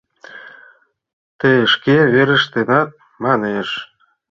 — Тый шке верештынат, — манеш.